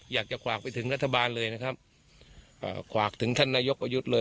อยากจะฝากไปถึงรัฐบาลเลยนะครับอ่าฝากถึงท่านนายกประยุทธ์เลย